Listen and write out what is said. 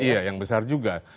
iya yang besar juga